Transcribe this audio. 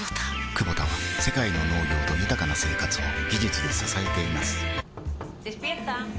クボタは世界の農業と豊かな生活を技術で支えています起きて。